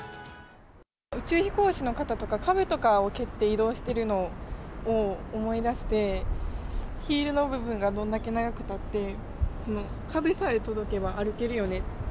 宇宙飛行士の方とか、壁とかを蹴って移動してるのを思い出して、ヒールの部分がどんだけ長くたって、壁さえ届けば歩けるよねって。